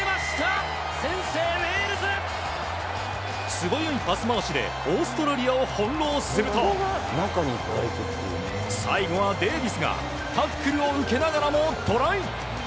素早いパス回しでオーストラリアを翻弄すると最後はデーヴィスがタックルを受けながらもトライ！